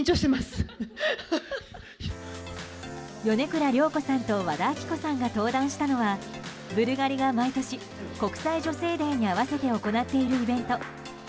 米倉涼子さんと和田アキ子さんが登壇したのはブルガリが毎年国際女性デーに併せて行っているイベント。